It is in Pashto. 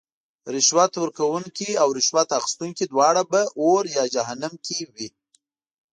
رشوت ورکوونکې او رشوت اخیستونکې دواړه به اور یا جهنم کې وی .